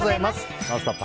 「ノンストップ！」